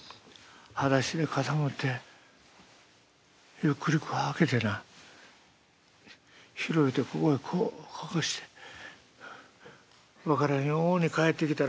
はだしで傘持ってゆっくりこう開けてな広げてここへこう乾かして分からんように帰ってきたら」。